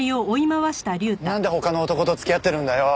なんで他の男と付き合ってるんだよ？